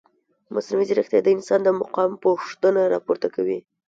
مصنوعي ځیرکتیا د انسان د مقام پوښتنه راپورته کوي.